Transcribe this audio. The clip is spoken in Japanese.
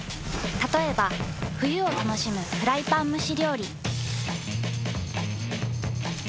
たとえば冬を楽しむフライパン蒸し料理。